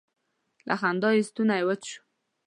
له خندا یې ستونی وچ شو.